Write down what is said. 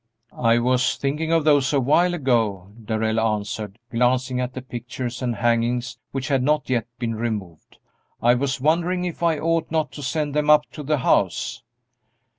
"I was thinking of those a while ago," Darrell answered, glancing at the pictures and hangings which had not yet been removed; "I was wondering if I ought not to send them up to the house."